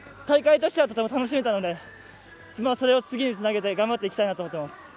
大会としてはとても楽しめたのでそれを次につなげて頑張っていきたいと思います。